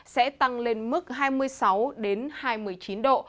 sẽ tăng lên mức hai mươi sáu đến hai mươi năm độ